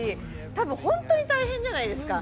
多分本当に大変じゃないですか。